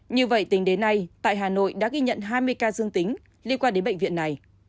như vậy tính đến nay tại hà nội đã ghi nhận hai mươi ca dương tính liên quan đến bệnh viện này